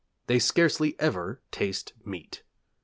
They scarcely ever taste meat.'